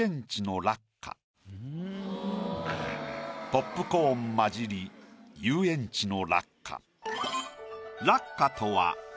「ポップコーンまじり遊園地の落花」。